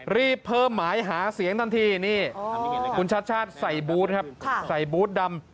รีบเพิ่มไหม้หาเสียงตันทีคุณชัชชาติใส่บู๊ดใส่บู๊ดดำ